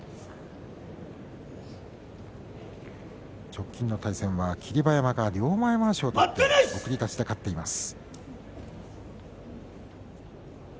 直近の対戦は霧馬山が両前まわしを取って送り出しで勝っています。